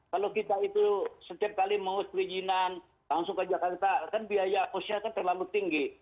kalau kita itu setiap kali mengurus perizinan langsung ke jakarta kan biaya usia kan terlalu tinggi